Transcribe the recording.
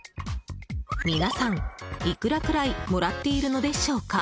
皆さん、いくらくらいもらっているのでしょうか？